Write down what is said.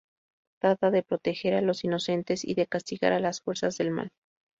Trata de proteger a los inocentes y de castigar a las "Fuerzas del Mal".